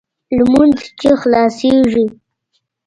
لمونځ چې خلاصېږي.